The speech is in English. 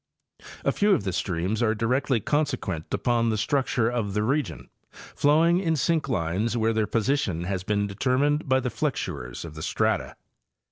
A few of the streams are directly consequent upon the structure of the region, flowing in synelines where their position has been An Anomalous Course. 97 determined by the flexures of the strata.